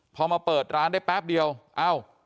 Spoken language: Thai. พอมาเปิดร้านได้แป๊บเดียวเอ้า